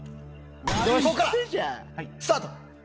スタート！